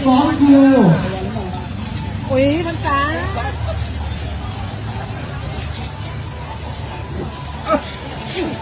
อันนี้เป็นสิทธิ์ที่มีสิทธิ์๑๒จูบ